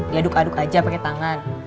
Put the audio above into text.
diladuk aduk aja pake tangan